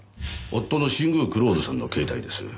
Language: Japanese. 夫の新宮蔵人さんの携帯です。